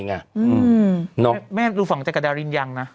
อือแม่รูฟอร์งได้กับดารินยังนะ